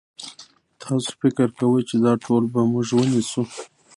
تاسو فکر کوئ چې دا ټول به موږ ونیسو؟